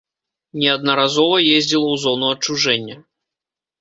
Неаднаразова ездзіла ў зону адчужэння.